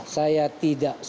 saya tidak suka